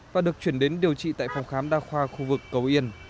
và được chuyển đến điều trị tại phòng khám đa khoa khu vực cầu yên